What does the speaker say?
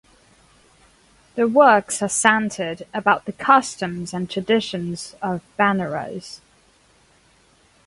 The works are centered about the customs and traditions of Benaras.